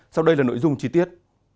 sau đây là nội dung chi tiết